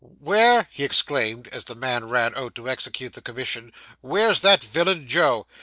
Where?' he exclaimed, as the man ran out to execute the commission 'where's that villain, Joe?